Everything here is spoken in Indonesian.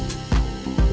baru dua orang